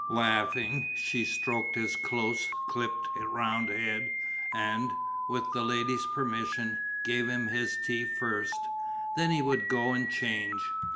Laughing, she stroked his close clipped round head and, with the ladies' permission, gave him his tea first: then he would go and change.